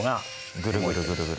ぐるぐるぐるぐる。